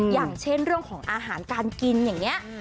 อย่างเช่นเรื่องของอาหารการกินอย่างนี้